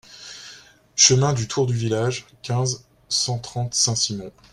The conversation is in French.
Chemin du Tour du Village, quinze, cent trente Saint-Simon